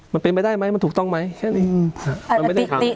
มันเป็นไปได้ไหมมันถูกต้องไหมแค่นี้